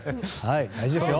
大事ですよ。